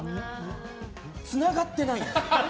つながってないよ。